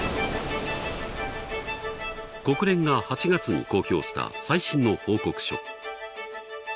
国連が８月に公表した最新の報告書。